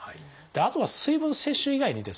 あとは水分摂取以外にですね